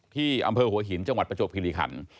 ที่อำเภอหัวหินจังหวัดประจวบคิริขัน